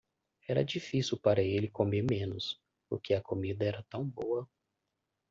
Era difícil para ele comer menos porque a comida era tão boa.